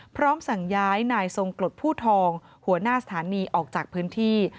พร้อมสั่งย้ายนายทรงกรดผู้ทองหัวหน้าสถานีออกจากพื้นที่